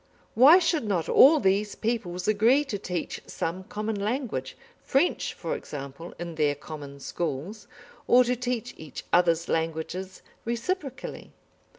Why should not all these peoples agree to teach some common language, French, for example, in their common schools, or to teach each other's languages reciprocally?